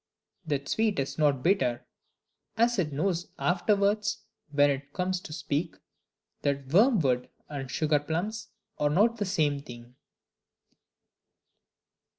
that sweet is not bitter), as it knows afterwards (when it comes to speak) that wormwood and sugarplums are not the same thing.